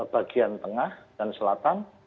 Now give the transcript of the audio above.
bagian tengah dan selatan